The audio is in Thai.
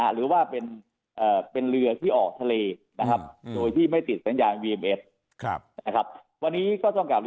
หรือว่าเป็นเรือที่ออกทะเบียนนะครับ